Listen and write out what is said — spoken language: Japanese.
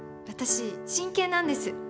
私真剣なんです。